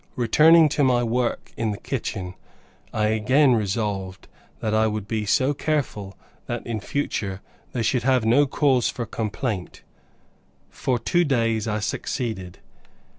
Returning to my work in the kitchen, I again resolved that I would be so careful, that, in future they should have no cause for complaint For two days I succeeded.